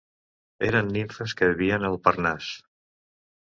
Eren nimfes que vivien al Parnàs.